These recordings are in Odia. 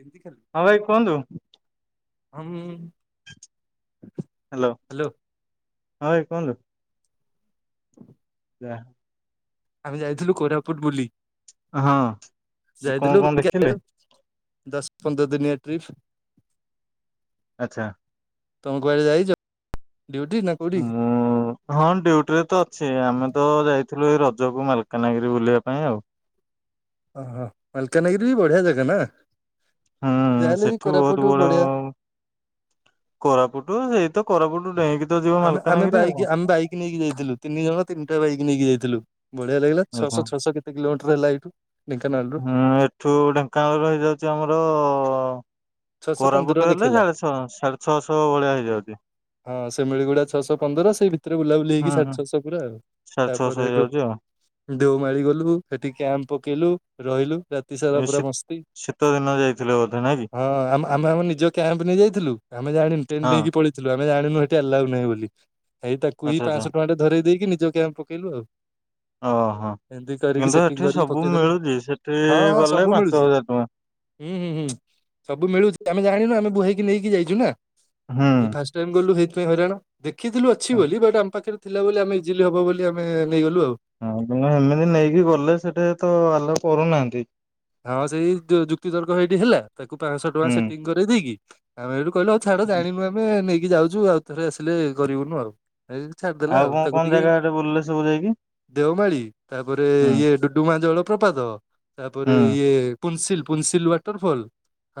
ଏମିତି ହଁ ଭାଇ କୁହନ୍ତୁ। ଆଁ ହ୍ୟାଲୋ। ହଁ ଭାଇ କୁହନ୍ତୁ। ଆମେ ଯାଇଥିଲୁ କୋରାପୁଟ ବୁଲି। ହଁ କଣ ଯାଇଥିଲୁ କଣ ବୁଲିକି ଦେଖିଥିଲେ? ଆଇଲୁ ଦଶ ପନ୍ଦର ଦିନିଆ ଟ୍ରିପ୍। ଆଛା। ତମେ କୁଆଡେ ଯାଇଛ? ଡ୍ୟୁଟି ନା କୋଉଠି ମୁଁ, ହଁ ଡୁଟିରେ ତ ଅଛି ଆମେ ତ ଯାଇ ଥିଲୁ ଏଇ ରଜକୁ ମାଲକାନାଗିରି ବୁଲିବା ପାଇଁ ଆଉ। ଓହୋ ମାଲକାନଗିରି ବି ବଢ଼ିଆ ଜାଗା ନା। ହୁଁ, ଯାହାହେଲେ ବି ସେଠୁ ବହୁତ କୋରାପୁଟ ବଡ ବଢିଆ କୋରାପୁଟୁ ସେଇତ କୋରାପୁଟୁ ଡେଇଁକି ତ ଯିବ ଆମେ ଆମେ ମାଲକାନଗିରି ଆଉ ବାଇକ ଆମେ ବାଇକ ନେଇକି ଯାଇଥିଲୁ। ତିନିଜଣ ତିନିଟା ବାଇକ ନେଇକି ଯାଇଥିଲୁ। ବଢିଆ ଲାଗିଲା ଆଚ୍ଛା ଛଶହ ଛଅଶହ କେତେ କିଲୋମଟର ହେଲା ଏଇଠୁ। ଢେଙ୍କାନାଳରୁ ହୁଁ ଏଠୁ ଢେଙ୍କାନାଳରୁ ହେଇଯାଉଛି ଆମର ଛଅଶହ ପନ୍ଦର କୋରାପୁଟୁ ହେଲେ ଦେଖେଇଲା ସାଢେ ଛଅ ସାଢେ ଛଅଶହ ଭଳିଆ ହେଇଯାଉଛି। ହଁ ସେମିଳିଗୁଡା ଛଅଶହ ପନ୍ଦର। ସେଇ ଭିତରେ ବୁଲାବୁଲି ହେଇକି ହୁଁ ହୁଁ ସାଢେ ଛଅଶହ ପୁର ଆଉ। ସାଢେ ଛଅଶହ ହେଇଯାଉଛି ଆଉ। ଦେଉମାଳି ଗଲୁ ସେଠିକି କ୍ୟାମ୍ ପକେଇଲୁ ରହିଲୁ। ରାତି ସାରା ଏ ପୁରା ମସ୍ତି ଶୀତଦିନ ଯାଇଥିଲେ ବୋଧେ ନାଇଁ କି ହଁ ଆ ଆମେ ଆମେ ନିଜ କ୍ୟାମ୍ପ ନେଇ ଯାଇଥିଲୁ ଆମେ ଜାଣିନୁ ଟେଣ୍ଟେ ହଁ ନେଇକି ପଳେଇଥିଲୁ। ଆମେ ଜାଣିନୁ ଏଠି ଆଲାଉ ନାହିଁ ବୋଲି ଏହି ତାକୁ ହି ଆଚ୍ଛା ଆଚ୍ଛା ପାଞ୍ଚଶହ ଟଙ୍କାଟେ ଧରଇ ଦେଇକି ନିଜ କ୍ୟାମ୍ପ ପକେଇଲୁ ଆଉ। ଓହୋ। ଏମିତି କରିକି କିନ୍ତୁ ସେଟିଂ ଏଠି କରିକି ସବୁ ପକେଇଦେଲୁ ମିଳୁଛି ସେଠି ହଁ ହଁ ଗଲେ ସବୁ ପାଞ୍ଚ ମିଳୁଛି ହଜାର ଟଙ୍କା। ହୁଁ ହୁଁ ହୁଁ। ସବୁ ମିଳୁଛି। ଆମେ ଜାଣିନୁ ଆମେ ବୁହେଇକି ନେଇକି ଯାଇଛୁ ନା ହୁଁ। ଫାଷ୍ଟ ଟାଇମ ଗଲୁନା ହଇରାଣ ଦେଖିଥିଲୁ ଅଛି ବୋଲି ବଟ ଆମ ପାଖରେ ଥିଲା ବୋଲି ଆମେ ଇଜିଲି ହବ ବୋଲି ଆମେ ନେଇଗଲୁ ଆଉ। ହଁ ତମେ ଏମିତି ନେଇକି ଗଲେ ସେଠି ତ ଆଲଉ କରୁନାହାନ୍ତି। ହଁ ସେଇ ଯୁକ୍ତିତର୍କ ସେଇଠି ହେଲା। ତାକୁ ପାଞ୍ଚଶହ ଟଙ୍କା ହୁଁ। ସେଟିଂ କର ଦେଇକି ଆମେ କହିଲୁ ଆଉ ଛାଡ ଜାଣିନୁ ଆମେ ନେଇକି ଯାଉଛୁ ଆଉ ଥରେ ଆସିଲେ କରିବୁନୁ ଆଉ। ଏଇ ଛାଡିଦେଲା ଆଉ କଣ ତାକୁ କଣ ଟିକେ ଜାଗା ଆଡେ ବୁଲିଲେ ସବୁ ଯାଇକି ଦେଓମାଳି ତାପରେ ହୁଁ ଇଏ ଡୁଡୁମା ଜଳ ପ୍ରପାତ ତାପରେ ହୁଁ ଇଏ ପୁନସିଲ୍ ପୁନସିଲ୍ ୱାଟରଫଲ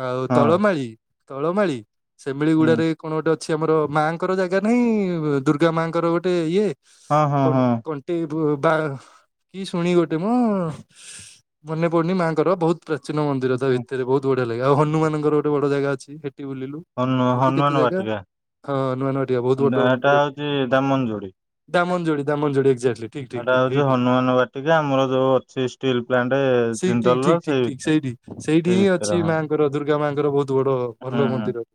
ଆଉ ହଁ ତଳମାଳି ତଳମାଳି ସେମିଳି ହୁଁ। ଗୁଡାରେ କଣ ଗୋଟେ ଅଛି ଆମର ମାଙ୍କର ଜାଗା ନାହିଁ ଦୁର୍ଗା ମାଙ୍କର ଗୋଟେ ଇଏ ହଁ [unintelligible] ହଁ କଂ କଣ୍ଟେଇ ବୁ ବା କି ଶୁଣି ଗୋଟେ ମ ମନେ ପଡୁନି ମାଙ୍କର ବୋହୁତ ପ୍ରାଚୀନ ମନ୍ଦିର ତା ହଁ। ଭିତରେ ବୋହୁତ ବଢିଆ ଲାଗେ ଆଉ ହନୁମାନଙ୍କର ଗୋଟେ ବଡ ଜାଗା ଅଛି ହେ ଟି ବୁଲିଲୁ ହନୁ ଏମତି କେତେ ଜାଗା ହଁ ହନୁମାନ ବାଟିକା ବହୁତ ତା ବଡ ନାଁ ଟା ମନ୍ଦିର ହୋଉଚି ଦାମନଯୋଡି। ଦାମନଯୋଡି ଦାମନଯୋଡି ଏକ୍ଜାକ୍ଟଲି ଠିକ ଠିକ ସେଟା ଠିକ ହୋଉଚି ହେଇଠି ହନୁମାନ ବାଟିକା ଆମର ଯୋଉ ଅଛି ଷ୍ଟିଲ୍ ପ୍ଲାଣ୍ଟେ ଠିକ୍ ଠିକ୍ ଠିକ୍ ଠିକ୍ ଠିକ୍ ସେଇଠି ସେଇଠି ହିଁ ଭିତରେ ଅଛି ହଁ ମାଙ୍କର ଦୁର୍ଗା ମାଙ୍କର ବୋହୁତ ବଡ ଭଲ ମନ୍ଦିର।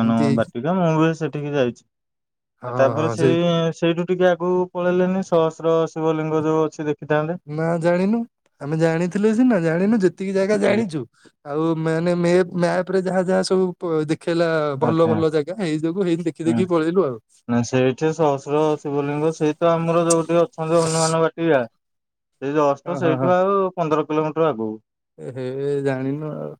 ଏମିତି ହେଇକି ବାଟିକା ମୁଁ ବି ସେଠିକି ଯାଇଚି ହଁ ଆଉ ହଁ ତାପରେ ସେଇ ସେଇଠି ସେଇଠୁ ଟିକେ ଆଗକୁ ପଳେଇଲେନି ସହସ୍ର ଶିବଲିଙ୍ଗ ଯୋଉ ଅଛି ଦେ ନାଁ ଜାଣିନୁ ଆମେ ଜାଣିଥିଲେୁ ସିନା ଜାଣିନୁ ଯେତିକି ଜାଗା ସେ ଜାଣିଚୁ ଆଉ ମାନେ ମେ ମ୍ୟାପରେ ଯାହା ଯାହା ସବୁ ପ ଦେ ଖେଇଲା ଭଲ ଆଚ୍ଛା ଭଲ ଜାଗା ଏଇ ଯୋଗୁ ହେଇଥି ଯୋଗୁ ଦେଖି ହୁଁ। ଦେଖି ପଳେଇଲୁ ଆଉ। ନା ସେଇଠି ସହସ୍ର ଶିବଲିଙ୍ଗ ସେଇ ତ ଆମର ଯୋଉଠି ଅଛନ୍ତି ହନୁମାନ ବାଟିକା ସେଇ ହଁ ଯସ୍ଟ ହଁ ହଁ। ସେଇଠୁ ଆଉ ପନ୍ଦର କିଲୋମିଟର ଆଗକୁ। ଏ ହେ ଜାଣିନୁ ଆଉ।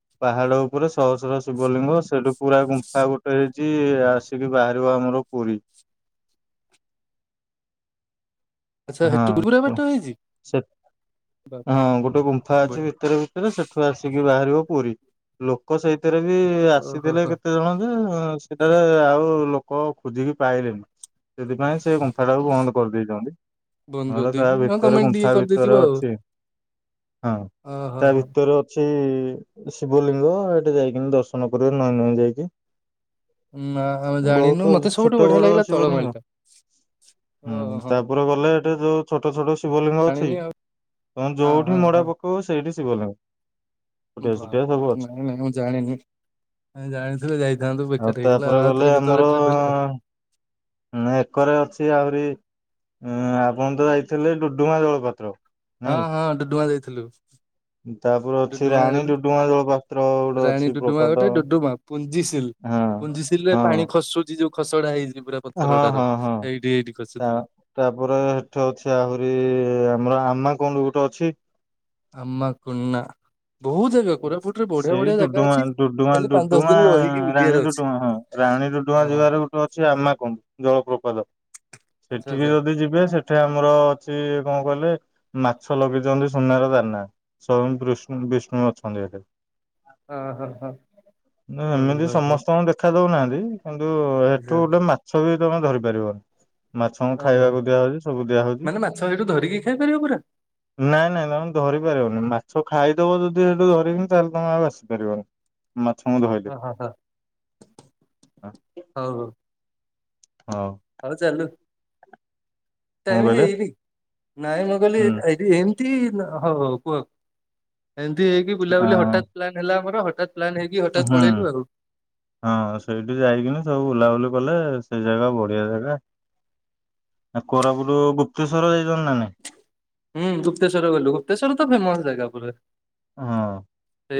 ପୁରା ଶହସ୍ର ଶିବଲିଙ୍ଗ ସେଠୁ ପୁରା ଗୁ ଆଉ ଗୋଟେ ହେଇଚି ଆସିକି ବାହାରିବ ଆମର ପୁରି। ଆଚ୍ଛା ହଁ ହେଠୁ ପୁରା ବାଟ କୁହ ହେଇଛି ସେ ବାପରେ। ହଁ ଗୋଟେ ଗୁମ୍ଫା ଅଛି ବଢିଆ। ଭିତରେ ଭିତରେ ସେଠୁ ଆସିକି ବାହାରିବ ପୁରୀ ଲୋକ ସେଇଥିରେ ବି ଓହୋ ଆସିଥିଲେ ହୋ କେତେ ଜଣ ଯେ ହ ସେଟାରେ ଆଉ ଲୋକ ଖୋଜିକି ପାଇଲେନି। ସେଥିପାଇଁ ସେ ଗୁମ୍ଫା ଟାକୁ ବନ୍ଦ କରିଦେଇଚନ୍ତି। ବନ୍ଦ ନହେଲେ ତା କରିଦେଇକି ହଁ ଭିତରେ କମେଣ୍ଟ ଟିକେ ଗୁମ୍ଫା କରିଦେଇଥିବ ଭିତରେ ଆଉ। ଅଛି। ହଁ ଓହୋ ତା ହୋ ଭିତରେ ଅଛି ଶି ଶିବଲିଙ୍ଗ ଏଠେ ଯାଇକିନି ଦର୍ଶନ କରିବେ ନଈଁ ନଇଁ ଯାଇକି। ନା ଆମେ ଜାଣିନୁ ବହୁତ ମତେ ଛୋଟ ସବୁଠୁ ବଢିଆ ବଡ ଲାଗିଲା ଶିବଲିଙ୍ଗ ତଳମଳିଟା। ଓ ହୋ। ଉପରକୁ ଗଲେ ଏଠି ଯୋଉ ଛୋଟ ଛୋଟ ଶିବଲିଙ୍ଗ ଅଛି ଜାଣିନି ଆଉ ତମେ ହଁ ଯୋଉଠି ହଁ ହଁ। ମଡା ପକେଇବ ସେଇଠି ଶି ଶିବଲିଙ୍ଗ ଛୋଟିଆ ଛୋଟିଆ ବାବା ସବୁ ଅଛି ନାଇଁ ନାଇଁ ମୁଁ ଜାଣିନି। ଆମେ ଜାଣିଥିଲୁ ଯାଇଥାନ୍ତୁ ଆଉ ବେକାରାର ହେଇଗଲା ତାପରେ ଆଉ ଆଉଥରେ କେତେବେଳେ ଟ୍ରିପ୍ ହେଲେ ହୁଁ ହେକରେ ଅଛି ଆହୁରି ଉଁ ଆପଣ ତ ଯାଇଥିଲେ ଡୁଡୁମା ଜଳପାତ୍ର। ହଁ ନାଇଁ ହଁ ଡୁଡୁଆ ଯାଇଥିଲୁ। ତାପରେ ଅଛି ଡୁଡୁମା ରାଣୀ ଗଲୁ ଡୁଡୁମା ଜଳପାତ୍ର ଗୋଟେ ରାଣୀ ଅଛି ଡଡୁମା ଗୋଟେ ପ୍ରପାତ ଡୁଡୁମା ପୁଞ୍ଜିସିଲ୍ ହଁ ପୁଞ୍ଜିସିଲ୍ ରେ ହଁ ପାଣି ଖସୁଚି ଯୋଉ ଖସଡା ହେଇଚି ପୁରା ପଥର ହଁ ଟାର ହଁ ହଁ ହେଇଠି ତା ତାପରେ ହେଠେ ଅଛି ଆହୁରି ଆମର ଆମା କୁଣ୍ଡୁ ଗୋଟେ ଅଛି। ଆମା କୁଣ୍ଡ ବହୁ ଜାଗା ପୁରା ସେଇ ଡୁଡୁମାରେ ଡୁଡୁମା ପାଞ୍ଚ ଦଶ ଡୁଡୁମା ଦିନ ରହିକି ରାଣୀ ବୁଲିବାର ଅଛି ଡୁଡୁମା ହଁ ରାଣୀ ଡୁଡୁମା ହଁ ହଁ ଯିବାର ଗୋଟେ ଅଛି ଆମା କୁଣ୍ଡୁ ଜଳପ୍ରପାତ ଆଚ୍ଛା ସେଠିକି ଆଚ୍ଛା ଯଦି ଯିବେ ସେଠି ଆମର ଅଛି କଣ କହିଲେ ମାଛ ଲଗେଇଚନ୍ତି ସୁନାର ଦାନା ସୋୟେଙ୍ଗ୍ ବିଷ୍ଣୁ ବିଷ୍ଣୁ ଅଛନ୍ତି ହେଠେ। ହଁ ହଁ ହଁ। ଯେ ଏମିତି ଭଲ ହଉ। ସମସ୍ତଙ୍କୁ ଦେଖା ଦଉନାହାନ୍ତି। କିନ୍ତୁ ଆଚ୍ଛା ହେଠୁ ଗୋଟେ ମାଛ ବି ତମେ ଧରି ପାରିବନି। ମାଛଙ୍କୁ ଓହୋ ଖାଇବାକୁ ଦିଆ ହଉଚି ସବୁ ଦିଆ ହଉଚି। ମାନେ ମାଛ ସେଇଠୁ ଧରିକି ଖାଇପାରିବ ପୁରା ନାଇଁ ନାଇଁ ତମେ ଧରି ପାରିବନି ମା ଛ ଖାଇଦବ ଯଦି ହେଠୁ ଧରିକିନି ତାହେଲେ ତମେ ଆଉ ଆସିପାରିବନି। ମାଛ ଙ୍କୁ ଧଇଲେ ହଁ ହଁ ହଁ ହଉ ହଉ ହଉ ହଉ ଚାଲୁ। କଣ ଟାଇମ୍ କହିଲେ ହେଇନି ନାଇଁ ମୁଁ କହିଲି ହୁଁ ଏଇଠି ଏମ ତି ହଉ ହଉ କୁହ ଏମିତି ହେଇକି ବୁଲାବୁଲି ହଠାତ ଆଁ ପ୍ଲାନ୍ ହେଲା ଆମର ହ ହୁଁ ହଁ ସେଇଠି ଯାଇକିନି ସବୁ ବୁଲାବୁଲି କଲେ ସେ ଜାଗା ବଢିଆ ଜାଗା ଆ କୋରାପୁଟ ଗୁପ୍ତେଶ୍ଵର ଯାଇଚନ୍ତି ନା ନାଇଁ? ହୁଁ ଗୁପତେଶ୍ୱର ଗଲୁ ଗୁପତେଶ୍ୱର ତ ଫେମସ ଜାଗା ପୁରା ହଁ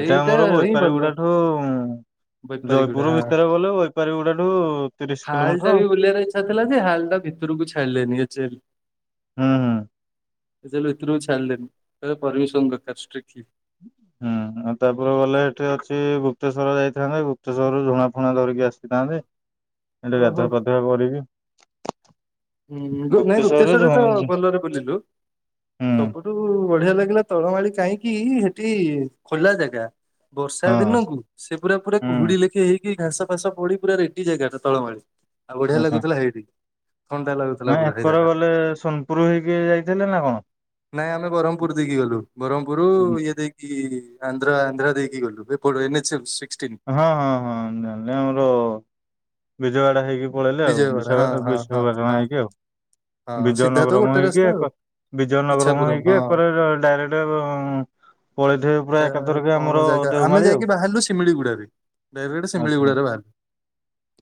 ସେଟା ଆମର ହିଁ ବୈପାରୀ ଭଲ। ଗୁଡା ଠୁ ବେପାରୀ ଗୁଡା ଜୟପୁର ହଁ ଭିତରେ ଗଲେ ବୈପାରୀଗୁଡାଠୁ ତିରିଶ କିଲୋମିଟର ଆଉ। ଭିତରୁକୁ ଛାଡିଲେଣି ଏଚ୍ ଏଲ୍ ହୁଁ ହୁଁ। ଏଲ୍ ଏଥିରୁ ଛାଡିଲେ କହିଲେ ପରିମିସନ୍ ଦରକାର ଷ୍ଟ୍ରିକ୍ ହୁଁ ଆଉ ତାପରେ ଗଲେ ଏଠି ଅଛି ଗୁପ ଗୁପତେଶ୍ୱର ଯାଇଥାନ୍ତେ ଗୁପତେଶ୍ୱରରୁ ଝୁଣା ଫୁଣା ଧରିକି ଆସିଥାନ୍ତେ। ହେଠି ଓହୋ। ଗାଧୁଆ ପାଧୁଆ କରିକି ହୁଁ ନାଇଁ ଗୁପ୍ତେଶ୍ୱରରେ ଜ ଗୁପ୍ତେଶ୍ଵରରେ ହୁଁ ତ ଭଲରେ ବୁଲିଲୁ ସବୁଠୁ ବଢିଆ ଲାଗିଲା ତଳମାଳି କାହିଁକି ହେଠି ଖୋଲା ଜାଗା ବର୍ଷା ହଁ ଦିନକୁ ସେ ପୁରା ପୁରା ହୁଁ କୁହୁଡି ଲେଖି ହେଇକି ଘାସ ଫାସ ପଡିି ପୁରା ରେଟି ଜାଗା ଟା ତଳମଳି ଆଉ ବଢିଆ ଲାଗୁଥିଲା ହେଇଠିକି ନା ଏକର ଗଲେ ସୋନପୁର ହେଇକି ଯାଇଥିଲେ ନା କଣ? ନାଇଁ ଆମେ ବ୍ରହ୍ମପୁର ଦେଇକି ଗଲୁ ବ୍ରହ୍ମପୁର ଇଏ ଦେଇକି ଆନ୍ଧ୍ର ଆନ୍ଧ୍ରା ଦେଇକି ଗଲୁୁ ଏପଟେ ଏନ୍ ଏଚ୍ [unintelligible] ହଁ ହଁ ହଁ ଜାଣିଲି ଆମର ବିଜବାଡା ହେଇକି ପଳେଇଲେ ଆଉ ବିଜୟୱାଡା ବିଶାଖା ହଁ ଏ ହଁ ହଁ ବିଶପଟଣା ହଁ ହେଇକି ଆଉ ହଁ ବିଜୟ ସିଧା ତ ନଗର ମୁଁ ଗୋଟେ ରାସ୍ତା ହେଇକି ଆଉ ବିଜୟ ନଗରମ ମୁଁ ଇଚ୍ଛାପୁରମ୍ ହେଇକି ହଁ। ଏକରେ ଡାଇରେକ୍ଟ ଉଁ ଏଟା କଣ ଜାଗା ଆମେ ଦେଓମାଳି ଆଉ ଯାଇକି ବାହାରିଲୁ ଶିମିଳିଗୁଡାରେ। ଡାଇରେଟ ଶିମିଳି ଆଚ୍ଛା। ଗୁଡାରେ ବାହାରିଲୁ।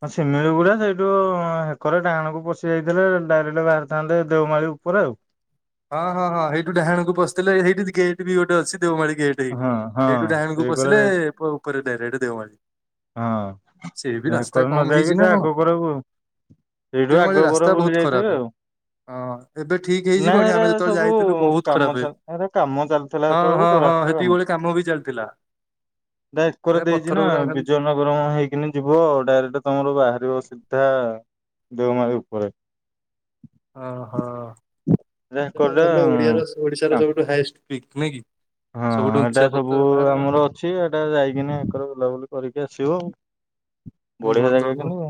ହଁ ସିମିଳି ଗୁଡା ସେଇଠୁ ହେକରୁ ଡାହାଣକୁ ପଶି ଯାଇଥିଲେ ଡାଇରେକ୍ଟ ବାହାରିଥାନ୍ତେ ଦେଓମାଳି। ଉପରେ ଆଉ। ହଁ ହଁ ହଁ ହେଇଠୁ ଡାହାଣକୁ ପସିଥିଲେ ହେଇଠି ଗେଟ ବି ଗୋଟେ ଅଛି। ଦେଓମାଳି ଗେଟ ଏଇଠି ହଁ ହଁ ହେଇଠୁ ଡାହାଣୀକୁ ସେଇ କରେ ପଶିଲେ ଯାଇ ଉପରେ ଡାଇରେକ୍ଟ ଦେଓମାଳିୀ ହଁ ନା ଯାଇକି କହିଲୁନା ହେଇଛି ଯାଇକି ନା ସେ କଣ ଗୋବରାକୁ। ସେଇଠୁ ଦେଓମାଳି ଆଗପର ରାସ୍ତା ବୁଲି ବହୁତ ଖରାପ ଯାଇଥିବେ ଆଉ ହଁ ଏବେ ଠିକ ନା ହେଇଯିବଣି ଏ ଆମେ ଏ ଯେତେବେଳେ ସବୁ ଯାଇଥିଲୁ ବହୁତ କାମ ଖରାପ ଚାଲି କାମ ଚାଲିଥିଲା ହଁ ହଁ ଏତବେଳକୁ ହଁ ରାସ୍ତା ସେତିକି କାମ। ବେଳେ ବି ଚାଲିଥିଲା କୋଉରା ଦେ ଦେଇଚି ନା ପଥର ଗୁଡା ଖାଲି ବିଜୟ ନବରଙ୍ଗ ହେଇକିନି ଯିବ ଡାଇରେକ୍ଟ ତମର ବାହାରିବ ସିଧା ଦେଓମାଳ ଉପରେ। ଓହୋ ଏଟା ଯ ହେକରଟା ଭଲ ଓଡିଆ ଓଡିଶାର ସବୁଠୁ ହାଇଷ୍ଟ ପିକନିକ। ହଁ ଏଟା ସବୁ ଆମର ଅଛି ଏଇଟା ଯାଇକିନି ଏକର ବୁଲାବୁଲି କରିକି ଆସିବ ଆଉ। ବଢିଆ ଭଲ ଜାଗାଗାକୁ ନୁହଁ କିନ୍ତୁ ହୁଁ।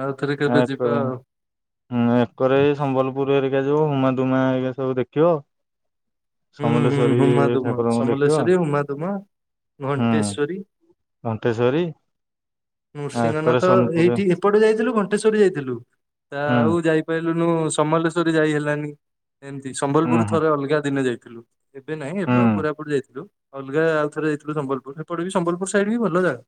ଆଉଥରେ କେବେ ଯିବା ଏକରେ ଆଉ। ହୁଁ ଏକରେ ସମ୍ବଲପୁରରେ ଏଇ ଯୋଉ ହୁମାଦୁମା ଏରିକା ସବୁ ଦେଖିବ। ହୁଁ ହୁଁ ସମଲେଶ୍ଵରୀ ହୁମା ଦୁମା ଠାକୁରଙ୍କୁ ଦେଖିବ ସମଲେଶ୍ଵରୀ ହୁମା ଦୁମା ଘଣ୍ଟେଶ୍ଵରୀ ହୁଁ। ଘଣ୍ଟେଶୋରି। ନୃସିଂହନାଥ ଏଇଠି ଏପଟେ ଯାଇଥିଲୁ ଘଣ୍ଟେଶୋରି ଯାଇଥିଲୁ। ତା ହୁଁ ଆଉ ଯାଇପାରି ସମଲେଶ୍ଵରୀ ଯାଇ ହେଲାନି ଏମିତି ହୁଁ ସମ୍ବଲପୁର ହୁଁ। ଥରେ ଅଲଗା ଦିନେ ଯାଇଥିଲୁ। ଏବେ ନାଇଁ ହୁଁ ଏବେ କୋରାପୁଟ ଯାଇଥିଲୁ। ଅଲଗା ଆଉ ଥରେ ଯାଇଥିଲୁ ସମ୍ବଲପୁର ଏପଟେ ବି ସମ୍ବଲପୁର ସାଇଡ ବି ଭଲ ଜାଗା।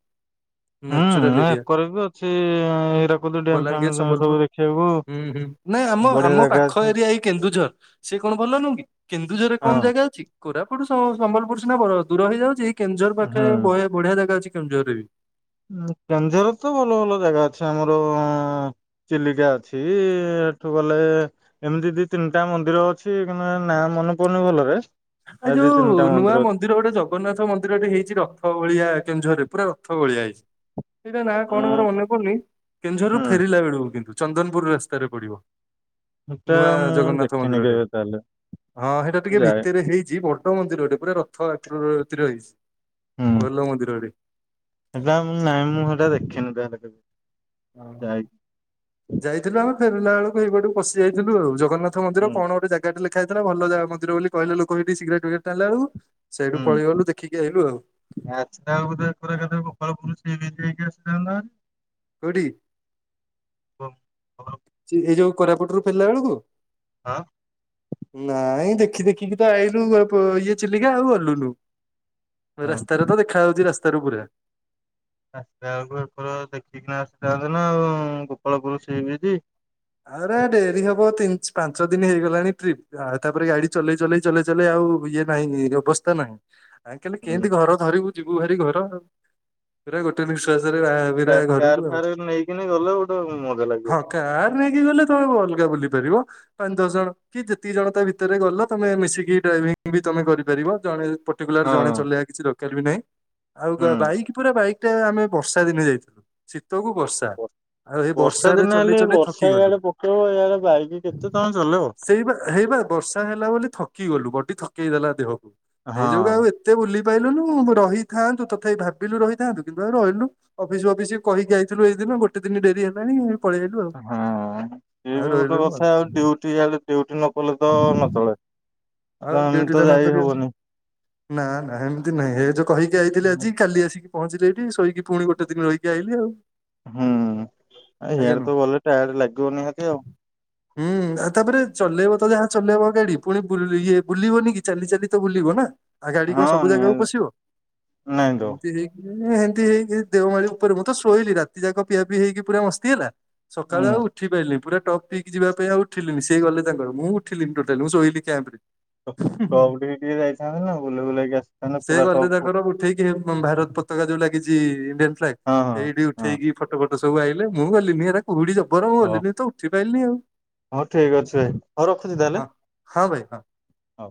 ହୁଁ ନ୍ୟାଚୁରାଲ ଏରିଆ ଏକରେବି ଅଛି ହରାକୁଦ ଡ୳୲ମ ବଲାଙ୍ଗୀର ଫ୳୲ମ ସମ୍ବଲପୁର ସବୁ ଦେଖିବାକୁ। ହୁଁ ହୁଁ ନାଇଁ ଆମ ବଢିଆ ଆମ ଜାଗା ପାଖ ଅଛି ଏରିଆ ଏଇ କେନ୍ଦୁଝର। ସେ କଣ ଭଲ ନୁହଁ କି? କେନ୍ଦୁଝରରେ କମ ହଁ ଜାଗା ଅଛି। କୋରାପୁଟ ସମ୍ବଲପୁର ସିନା ବଡ ଦୂର ହେଇଯାଉଚି। କେନ୍ଦୁଝର ପାଖରେ ହୁଁ। ବଆ ବଢିଆ ଜାଗା ଅଛି କେଁଝରରେ ବି? କେନ୍ଦଝର ରେ ତ ଭଲ ଭଲ ଜାଗା ଅଛି। ଆମର ଚିଲିକା ଅଛି ଏଠୁ ଗଲେ ଏମିତି ଦି ତିନିଟା ମନ୍ଦିର ଅଛି। କି ନା ମନେ ପଡୁନି ଭଲରେ। ଆ ଦି ଯୋଉ ତିନିଟା ନୂଆ ଅଛି। ମନ୍ଦିର ଗୋଟେ ଜଗନ୍ନାଥ ମନ୍ଦିରଟେ ହେଇଛି ରଥ ଭଳିଆ କେଉଁଝରେ। ପୁରା ରଥ ଭଳିଆ ହେଇଛି। ସେଇଟା ନା କଣ ମୋର ହୁଁ ମନେ ପଡୁନି। କେନ୍ଦଝର ରୁ ହୁଁ ଫେରିଲା ବେଳକୁ କିନ୍ତୁ? ଚନ୍ଦନପୁର ରାସ୍ତାରେ ପଡିବ। ସେଟା ନୂଆ ମୁଁ ଜଗନ୍ନାଥ ଦେଖିନି ମନ୍ଦିରଟେ କେବେ ତାହେଲେ ହଁ ହେଇଟା ଟିକେ ଭି ଯାଏ ହେଇଛି ବଡ ମନ୍ଦିରଟେ ପୁରା ରଥ ଆକୃତିରେ ହେଇଛି। ହୁଁ ଭଲ ମନ୍ଦିରଟେ। ସେଟା ନାଇଁ ମୁଁ ହେଟା ଦେଖିନି ତାହେଲେ କେବେ? ଓ ଯାଇକି ଯାଇଥିଲୁ ଆମେ ଫେରିଲା ବେଳକୁ ହେଇପଟୁ ପଶି ଯାଇଥିଲୁ ଆଉ ଜଗନ୍ନାଥନ୍ଦର ହୁଁ। କଣ ଗୋଟେ ଜାଗାଟେ ଖାଇଥିଲା ଭଲ ଜା ମନ୍ଦିର ବୋଲି କହିଲେ ଲୋକ ହେଟି ସିଗାରେଟ ଫିଗାରେଟ ଟାଣିଲା ବେଳକୁ। ସେଇଠୁ ହୁଁ ପଳେଇଗଲୁ ଦେଖିକି ଆଇଲୁ ଆଉ ଆଛା [unintelligible] କେ କେମିତି ହେଇକି ଆସିଲା ବାଲା। କୋଉଠି? ହଁ ସେ ଏଇ ଯୋଉ କରାପୁଟୁରୁୁ ଫେରିଲା ବେଳକୁ ନାଇଁ ଦେଖ ଦେଖି ଦେଖିକି ତ ଆଇଲୁ ଇଏ ଚିଲିକା ଆଉ ଗଲୁନୁ। ହଁ ରାସ୍ତାରେ ତ ଦେଖା ଯାଉଛି ରାସ୍ ତରୁ ପୁରା। ଆସିଲା ବେଳକୁ ଏପଟ ଦେଖିକିନା ଆସିଥାନ୍ତୁ ନା ଆଉ ଗୋପାଳପୁର ସି ବିଚ। ଆରେ ଡେରି ହବ ତିନି ପାଞ୍ଚ ଦିନ ହେଇଗଲାଣି ଟ୍ରିପ୍ ତାପରେ ଗାଡି ଚଲେଇ ଚଲେଇ ଚଲେଇ ଚଲେଇ ଆଉ ଇଏ ନାହିଁ ଅବସ୍ଥା ନାହିଁ। ଆ କାଲି କେମିତି ହୁଁ ଘର ଧରିବୁ ଯିବୁ ଭାରି ଘର ଆଉ ପୁରା ଗୋଟେ ନିଶ୍ବାସ ବିଦାୟ ଘରକୁ କାର ଆଉ ଫାର ନେଇକିନି ଗଲେ ଗୋଟେ ମଜା ହ ଲାଗିବ କା କି ଗଲେ ତମ ଅଲଗା ବୁଲି ପାରିବ। ପାଞ୍ଚ ଦଶ ଜଣ କି ଯେତିକି ଜଣ ତା ଭିତରେ ଗଲ ତମେ ମିଶିକି ଡା ବି ତମେ କରିପାରିବ ଜଣେ କୁ ହଁ। ଜଣେ ଚଲେଇବା କିଛି ଲୋକଲ ବି ନହିଁ ଆଉ ବାଇ ହୁଁ ପୁରା ବାଇକ୍ ଏଟେ ଆମେ ବର୍ଷା ଦିନେ ଯାଇଥିଲୁ ଶୀତକୁୁ ବର୍ଷା ବ- ଆଉ ଏଇ ବର୍ଷା ବର୍ଷାରେ ଦିନ ଚଲେେଇ ହେଲେ ଚଲେେଇ ବର୍ଷା ଇଆଡେ ପକେଇବ ଇଆଡେ ବାଇକ୍ କେତେ ତମେ ଚଲେଇବ। ସେଇ ହେଇବା ବର୍ଷା ହେଲା ବୋଲି ଥକି ଗଲୁ ବଟି ଥକେଇଦଲା ଦେହକୁ ସେଇ ଯୋଗୁ ଆଉ ହଁ ଏତେ ବୁଲି ପାଇଲୁୁ ରହିଥାନ୍ତୁ ତଥାପି ଭାବିଲୁ ରହିଥାନ୍ତୁ କିମ୍ବା ରହିଲୁ ଅଫିସ ଫଫିସ କହିକି ଯାଇଥିଲୁ ଏଇିନ ଗୋେ ଦିନ ଡେରି ହେଲାଣି ପଳେଇଲୁ ଆଉ। ସେଏ ଆଉ ବି ଗୋଟେ ରହିଲୁନୁ କଥା ଆଉ ଡଉଟିଡ ଡଉଟି ନ କଲେ ତ ନଚଳେ। ଆଉ ଡିଉଟିଟା ନକରି। ନା ନା ଏମିତି ନାହିଁ ଏ ଯୋଉ କହିକି ଆଇଥିଲି ଆଜି କାଲି ଆସିକି ପହଞ୍ଚିଲେ ଏଠି ଶୋଇକି। ପୁଣି ଗୋଟେ ଦିନ ରହିକି ଆଇଲିି ଆଉ। ଆଜ୍ଞା ଇଆଡ଼େ ନମସ୍କାର। ତ ଗଲେ ଟଏଡ଼ ଲାଗିବ ନିିହାତି ଆଉ। ହୁଁ ଆଉ ତାପରେ ଚଲେଇବ ତ ଯାହା ଚଲେଇବ ଗାଡି ପୁଣି। ଇଏ ବୁଲିବନି କି ଚାଲି ଚାଲି ତ ବୁଲିବ ନା। ଆଉ ଗାଡି ହଁ କଣ ସବୁ ଜାଗାକୁ ନିହାତି ପଶିବ ନାଇଁ ତ ଏମିତି ହେଇକି। ଉଁ ସେମିତି ହେଇକି ଦେଓମାଳି ଉପରେ ମୁଁ ତ ଶୋଇଲି ରାତି ଯାକ ପିଆ ପିଇ ହେଇକି ପୁରା ମସ୍ତି ହେଲା। ସକାଳୁ ହୁଁ। ଆଉ ଉଠି ପାରିଲି ପୁରା। ଟପିକ୍ ଯିବା ପାଇଁ ଆଉ ଉଠିଲିନି ସେ ଗଲେ ତାଙ୍କର ମୁଁ ଉଠିଲି ଟୋଟାଲି ମୁଁ ଶୋଇିଲି୍ୟାମ୍ପ ରେ। ଟପ ଟିକେ ଯାଇଥାନ୍ତେ ନା ବୁଲେଇ ବୁଲେଇକି ଆସିଥାନ୍ତେ। ପୁର ଟପକୁ। ଏବଂ ଭାରତ ପତାକା ଯୋଉ ଲାଗିଚି ଇଣ୍ଡିଆନ୍ ଫ୍ଲାଗ୍ ହଁ ହଁ। ସେଇଠି ହଁ ଉଠେଇକି ଫଟୋ ଫଟୋ ପ ତ ସବୁ ଆଇଲେ ମୁଁ ଗଲିନି ରା କୁଡ଼ି। ବର ହଉ ଭଲେ ତ ଉଠି ପାଇାଇିଲ ନି ଆଉ ହଉ ଠିକ ଅଛି ଭାଇ ହଉ ରଖୁଛି ତାହେଲେ ହଁ ହଁ ଭାଇ ହଁ। ହଉ।